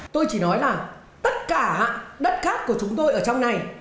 tôi chỉ nói là tất cả đất khác của chúng tôi ở trong này